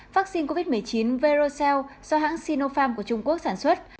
vaccine covid một mươi chín veroxelle do hãng sinopharm của trung quốc sản xuất